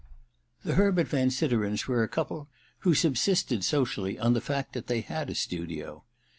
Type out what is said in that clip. The Herbert Van Siderens were a couple who subsisted, socially, on the fact that they had a studio.